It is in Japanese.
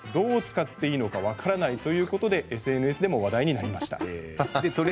ただ、どう使っていいのか分からないということでＳＮＳでも話題になりました。